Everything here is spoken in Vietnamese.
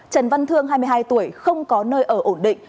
trần văn thương hai mươi hai tuổi không có nơi ở ổn định